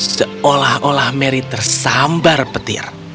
seolah olah mary tersambar petir